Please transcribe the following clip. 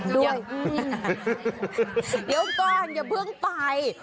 เดี๋ยวก่อนอย่าเพิ่งไป